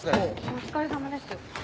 お疲れさまです。